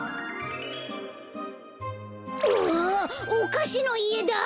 うわおかしのいえだ！